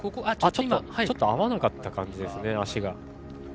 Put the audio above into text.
ちょっと足が合わなかった感じですね。